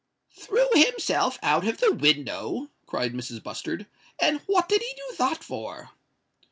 "Threw himself out of the window!" cried Mrs. Bustard; "and what did he do that for?"